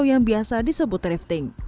atau yang biasa disebut drifting